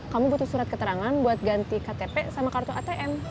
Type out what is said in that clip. kamu butuh surat keterangan buat ganti ktp sama kartu atm